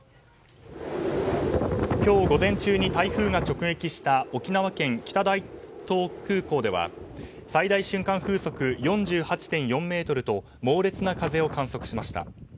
今日午前中に台風が直撃した沖縄県北大東空港では最大瞬間風速４８．８メートルと猛烈な風を観測しました。